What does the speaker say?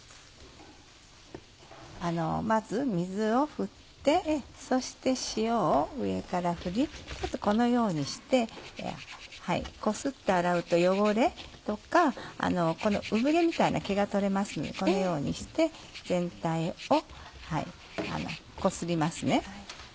まず水を振ってそして塩を上から振りこのようにしてこすって洗うと汚れとか産毛みたいな毛が取れますのでこのようにして全体をこすりますね。